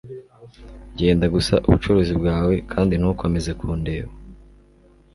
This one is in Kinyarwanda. Genda gusa ubucuruzi bwawe kandi ntukomeze kundeba.